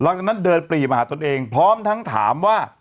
หลังจากนั้นเดินปรีมาหาตนเองพร้อมทั้งถามว่า